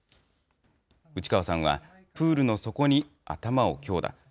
内川さんは、プールの底に頭を強打。